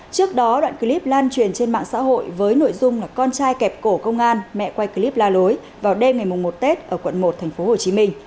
trước đó đoạn clip lan truyền trên mạng xã hội với nội dung là con trai kẹp cổ công an mẹ quay clip la lối vào đêm ngày một tết ở quận một tp hcm